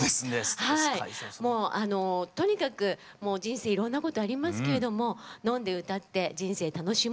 もうとにかくもう人生いろんなことありますけれども飲んで歌って人生楽しもうという。